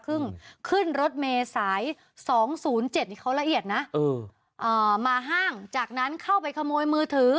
ครึ่งขึ้นรถเมษายสองศูนย์เจ็ดเขาระเอียดนะเอออ่ามาห้างจากนั้นเข้าไปขโมยมือถือ